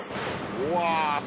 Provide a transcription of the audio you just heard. うわ。